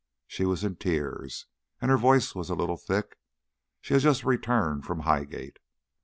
She was in tears, and her voice was a little thick. She had just returned from Highgate.